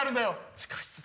地下室だ。